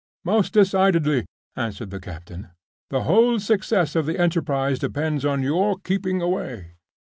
"Most decidedly!" answered the captain. "The whole success of the enterprise depends on your keeping away.